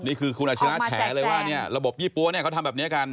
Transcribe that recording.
นี่คือคุณอาชิระแฉเลยว่าเนี่ยระบบยี่ปั๊วเนี่ยเขาทำแบบนี้กัน